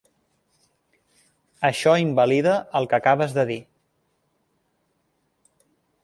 Això invalida el que acabes de dir.